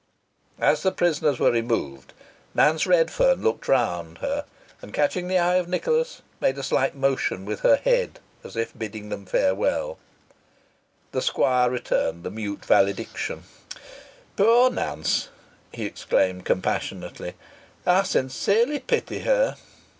As the prisoners were removed, Nance Redferne looked round her, and, catching the eye of Nicholas, made a slight motion with her head, as if bidding him farewell. The squire returned the mute valediction. "Poor Nance!" he exclaimed, compassionately, "I sincerely pity her.